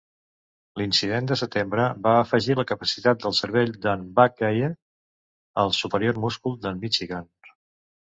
L'incident de setembre va afegir la capacitat del cervell d'en Buckeye al superior múscul d'en Michigan.